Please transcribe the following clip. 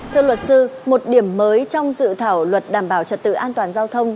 thưa luật sư một điểm mới trong dự thảo luật đảm bảo trật tự an toàn giao thông